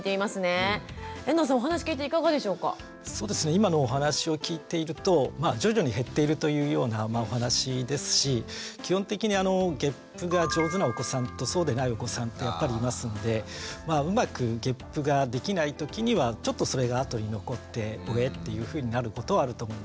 今のお話を聞いていると徐々に減っているというようなお話ですし基本的にゲップが上手なお子さんとそうでないお子さんっていますのでうまくゲップができない時にはちょっとそれが後に残って「おえっ」っていうふうになることはあると思います。